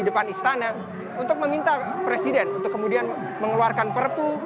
di depan istana untuk meminta presiden untuk kemudian mengeluarkan perpu